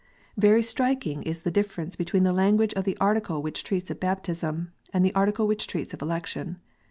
Very striking is the difference between the language of the Article which treats of baptism, and the Article which treats of election.